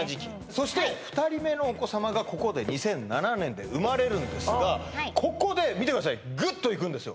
そして２人目のお子さまがここで２００７年で生まれるんですがここで見てくださいグッといくんですよ